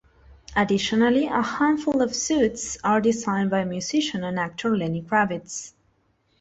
Additionally, a handful of suites are designed by musician and actor Lenny Kravitz.